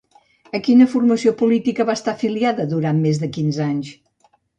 A quina formació política va estar afiliada durant més de quinze anys?